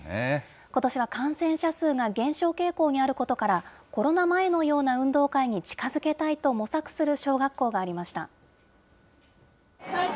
ことしは感染者数が減少傾向にあることから、コロナ前のような運動会に近づけたいと模索する小学校がありました。